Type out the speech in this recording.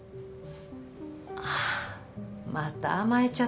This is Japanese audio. あっまた甘えちゃってる。